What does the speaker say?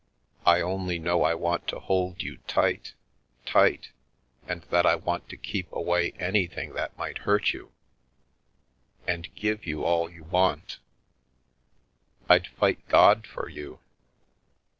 " I only know I want to hold you tight, tight, and that I want to keep away anything that might hurt you ; and give you all you want. I'd fight God for you.